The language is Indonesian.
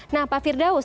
nah pak firdaus